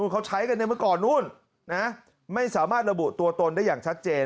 เขาใช้กันในเมื่อก่อนนู้นนะไม่สามารถระบุตัวตนได้อย่างชัดเจน